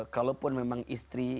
kalaupun memang istri